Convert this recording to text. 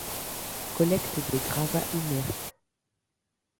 Collecte des gravats inertes.